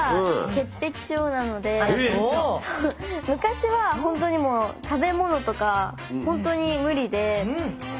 昔は本当にもう食べものとか本当に無理で。